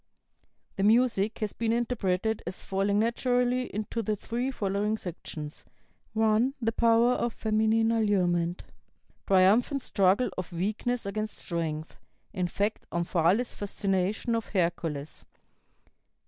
The music has been interpreted as falling naturally into the three following sections: "(1) The power of feminine allurement. Triumphant struggle of weakness against strength; in fact, Omphale's fascination of Hercules.